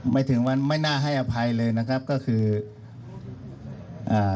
ไม่ถึงวันไม่น่าให้อภัยเลยนะครับก็คืออ่า